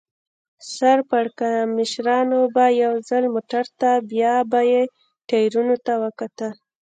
سر پړکمشرانو به یو ځل موټر ته بیا به یې ټایرونو ته وکتل.